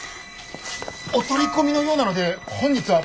お取り込みのようなので本日は。